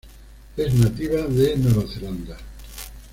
Es nativa de Nueva Zelanda.